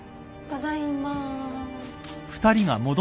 ただいま。